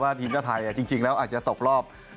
ทีมชาติไทยจริงแล้วอาจจะตกรอบ